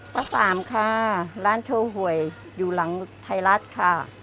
สามค่ะร้านโชว์หวยอยู่หลังไทยรัฐค่ะ